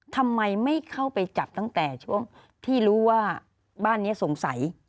ทำไมไม่เข้าไปจับตั้งแต่ช่วงที่รู้ว่าบ้านนี้สงสัย